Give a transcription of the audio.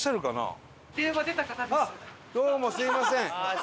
伊達：どうも、すみません。